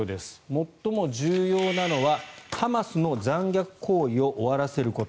最も重要なのはハマスの残虐行為を終わらせること。